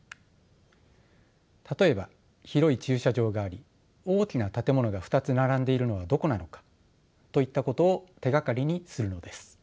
例えば広い駐車場があり大きな建物が２つ並んでいるのはどこなのかといったことを手がかりにするのです。